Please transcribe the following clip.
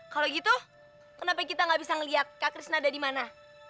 kalau gitu kenapa kita gak bisa ngeliat kak krishna ada di mana